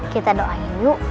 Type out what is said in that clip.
kita doain yuk